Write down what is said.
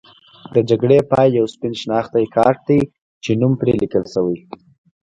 د جګړې پای یو سپین شناختي کارت دی چې نوم پرې لیکل شوی.